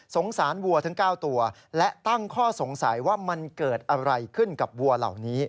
สารวัวทั้ง๙ตัวและตั้งข้อสงสัยว่ามันเกิดอะไรขึ้นกับวัวเหล่านี้